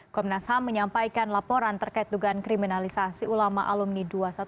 komnas ham menyampaikan laporan terkait dugaan kriminalisasi ulama alumni dua ratus dua belas